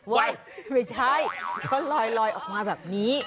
เปล่าเห้ยไม่ใช่เขาลอยออกมาแบบนี้